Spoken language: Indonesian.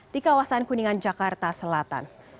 di kawasan kuningan jakarta selatan